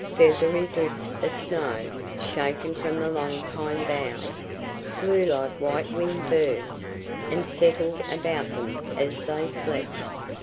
Feathery drifts of snow, shaken from the long pine boughs, flew like white winged birds, and settled about them as they slept.